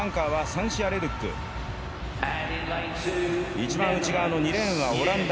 一番内側２レーンはオランダ。